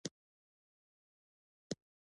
قهوه د فکري سفر پیل دی